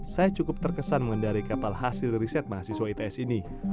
saya cukup terkesan mengendari kapal hasil riset mahasiswa its ini